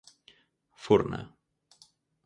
Furna.